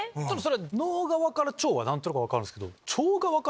脳側から腸は何となく分かるんですけど。